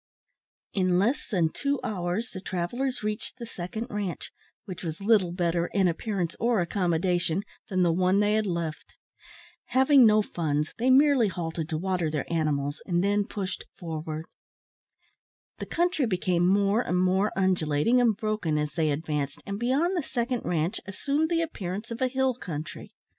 In less than two hours the travellers reached the second ranche, which was little better, in appearance or accommodation, than the one they had left. Having no funds, they merely halted to water their cattle, and then pushed forward. The country became more and more undulating and broken as they advanced, and beyond the second ranche assumed the appearance of a hill country.